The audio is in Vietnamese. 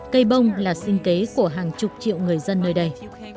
cây bông là sinh kế của hàng chục triệu người dân nơi đây